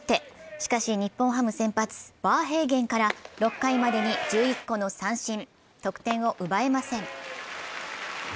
しかし、日本ハム先発・バーヘイゲンから６回までに１１個の三振、得点を奪えません。